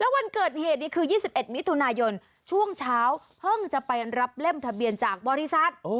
วันเกิดเหตุนี้คือ๒๑มิถุนายนช่วงเช้าเพิ่งจะไปรับเล่มทะเบียนจากบริษัท